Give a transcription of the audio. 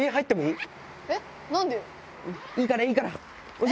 いいから、いいから。